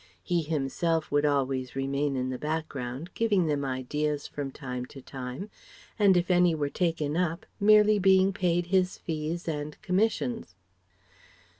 He himself would always remain in the background, giving them ideas from time to time, and if any were taken up merely being paid his fees and commissions.